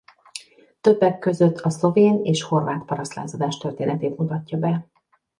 Többek között a szlovén és horvát parasztlázadás történetét mutatja be.